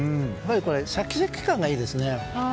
シャキシャキ感がいいですね。